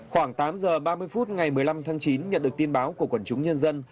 khoảng tám giờ ba mươi phút ngày một mươi năm tháng chín nhận được tin báo của quần chúng nhân dân